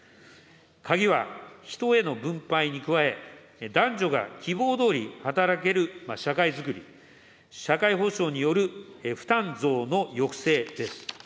鍵は人への分配に加え、男女が希望どおり働ける社会づくり、社会保障による負担増の抑制です。